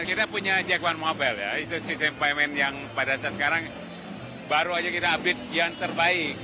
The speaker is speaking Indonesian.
kita punya jack one mobile ya itu sistem payment yang pada saat sekarang baru aja kita update yang terbaik